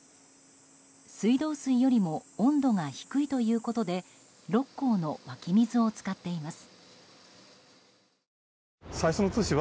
水道水よりも温度が低いということで六甲の湧き水を使っています。